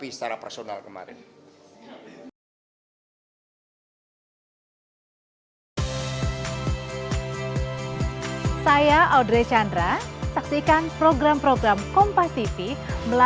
ya kita tahulah suara mbak irma tapi yang kita kedepankan kan masa depan ini bagaimana